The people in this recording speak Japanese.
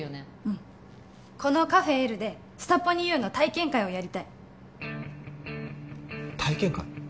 うんこのカフェエルでスタポニＵの体験会をやりたい体験会？